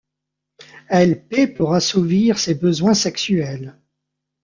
Elle paie pour assouvir ses besoins sexuels.